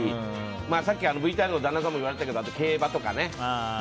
さっきＶＴＲの旦那さんも言われてたけど、競馬とかね。